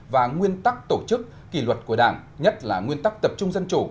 và nguyên tắc tổ chức kỷ luật của đảng nhất là nguyên tắc tập trung dân chủ